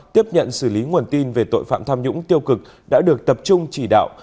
tiếp nhận xử lý nguồn tin về tội phạm tham nhũng tiêu cực đã được tập trung chỉ đạo